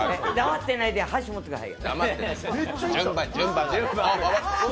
黙ってないで箸持ってください。